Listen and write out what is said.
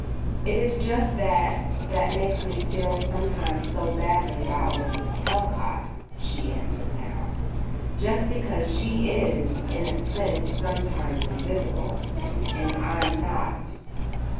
"It is just that that makes me feel sometimes so badly about Mrs. Talcott," she answered now; "just because she is, in a sense, sometimes invisible, and I'm not.